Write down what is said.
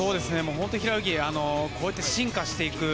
平泳ぎこうやって進化していく。